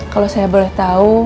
kalau saya boleh tahu